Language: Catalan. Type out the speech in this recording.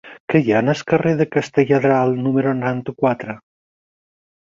Què hi ha al carrer de Castelladral número noranta-quatre?